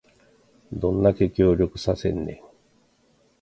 どんだけ協力させんねん